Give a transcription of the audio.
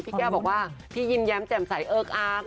แก้วบอกว่าพี่ยิ้มแย้มแจ่มใสเอิกอาร์ม